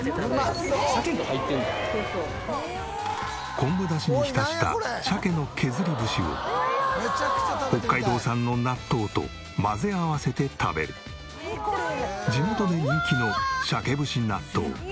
昆布だしに浸した北海道産の納豆と混ぜ合わせて食べる地元で人気の鮭節納豆。